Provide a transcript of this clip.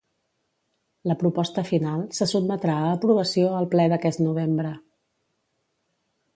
La proposta final se sotmetrà a aprovació al Ple d'aquest novembre.